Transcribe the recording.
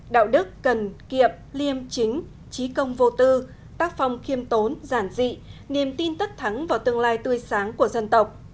đạo đức cần kiệm liêm chính trí công vô tư tác phong khiêm tốn giản dị niềm tin tất thắng vào tương lai tươi sáng của dân tộc